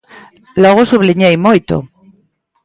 Logo subliñei moito.